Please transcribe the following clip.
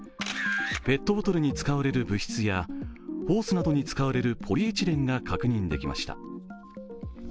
ペットボトルに使われる物質やホースなどに使われるポリエチレンが確認できました。